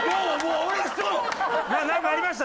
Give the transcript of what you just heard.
なんかありました？